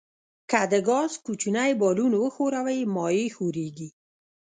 که د ګاز کوچنی بالون وښوروئ مایع ښوریږي.